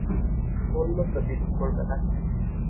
বললো তো বিক্রি করবে না।